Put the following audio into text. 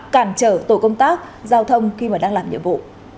cản trở tổ công tác giao thông khi mà đang làm nhiệm vụ